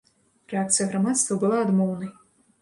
Рэакцыя грамадства была адмоўнай.